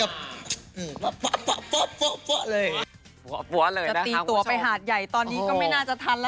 ว้าวแป๊บเลยว้าวแล้วจะตีตัวไปหาดใหญ่ตอนนี้ก็ไม่น่าจะทันแล้ว